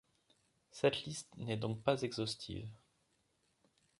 Cette liste n'est donc pas exhaustive.